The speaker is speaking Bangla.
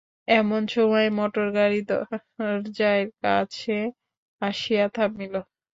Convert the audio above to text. এমন সময়ে মোটর গাড়ি দরজার কাছে আসিয়া থামিল।